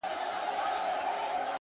هره ورځ د ځان سمولو فرصت لري!.